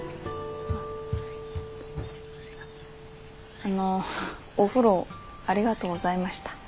あのお風呂ありがとうございました。